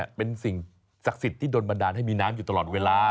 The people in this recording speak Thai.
เป็นสิ่งศักดิ์สิทธิ์ที่โดนบันดาลให้มีน้ำอยู่ตลอดเวลา